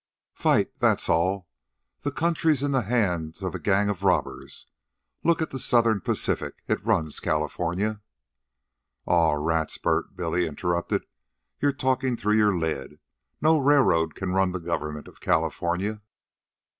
"Fight. That's all. The country's in the hands of a gang of robbers. Look at the Southern Pacific. It runs California." "Aw, rats, Bert," Billy interrupted. "You're talkin' through your lid. No railroad can ran the government of California."